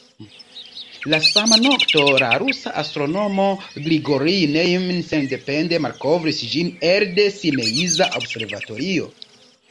La sama nokto, la rusa astronomo Grigorij Neujmin sendepende malkovris ĝin elde Simeiza observatorio.